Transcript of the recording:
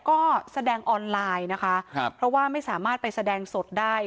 ก็แสดงออนไลน์นะคะครับเพราะว่าไม่สามารถไปแสดงสดได้